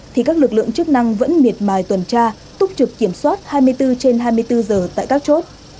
thì các lực lượng chức năng vẫn miệt mài tuần tra túc trực kiểm soát hai mươi bốn trên hai mươi bốn giờ tại các chốt